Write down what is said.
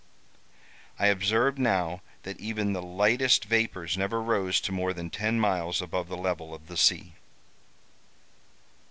I observed now that even the lightest vapors never rose to more than ten miles above the level of the sea.